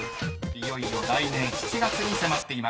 ［いよいよ来年７月に迫っています］